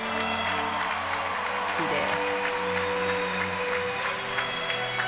きれい。